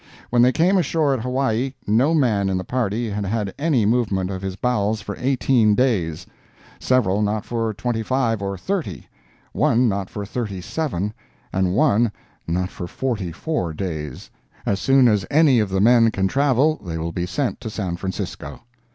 When they came ashore at Hawaii no man in the party had had any movement of his bowels for eighteen days, several not for twenty five or thirty, one not for thirty seven, and one not for forty four days. As soon as any of the men can travel they will be sent to San Francisco.